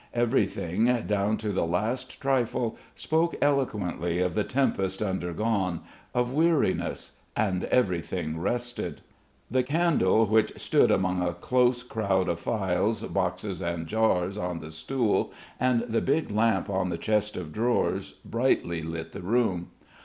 Everything, down to the last trifle, spoke eloquently of the tempest undergone, of weariness, and everything rested. The candle which stood among a close crowd of phials, boxes and jars on the stool and the big lamp on the chest of drawers brightly lit the room.